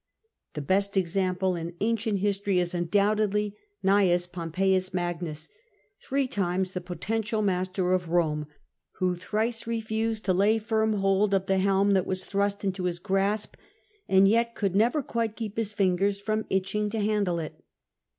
The best example in ancient history is undoubtedly Gnaeus Pompeius Magnus, three times the potential master of Eome, who thrice refused to lay firm hold of the helm that was thrust into his grasp, and yet could never quite keep his fingers from itching to handle it.